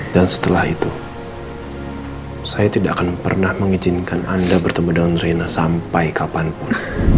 dan setelah itu saya tidak akan pernah mengizinkan anda bertemu dengan rina sampai kapanpun